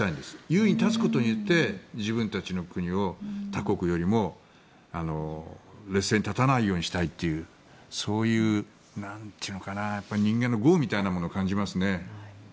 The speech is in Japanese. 優位に立つことによって自分たちの国を他国よりも劣勢に立たないようにしたいというそういう、なんというのかな人間の業みたいなものを感じますね。